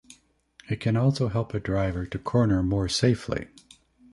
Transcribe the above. It can also help a driver to corner more safely.